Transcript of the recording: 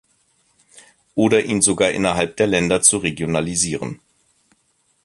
Oder ihn sogar innerhalb der Länder zu regionalisieren?